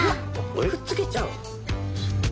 うわっくっつけちゃう？